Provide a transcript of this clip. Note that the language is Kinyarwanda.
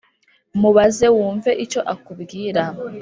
Mubaze wumve icyo akubwira